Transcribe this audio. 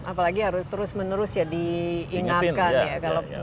apalagi harus terus menerus ya diingatkan ya